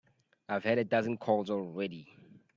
I've had a dozen calls already.